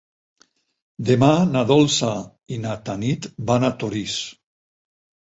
Demà na Dolça i na Tanit van a Torís.